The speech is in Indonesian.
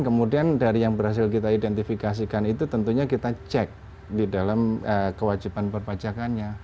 kemudian dari yang berhasil kita identifikasikan itu tentunya kita cek di dalam kewajiban perpajakannya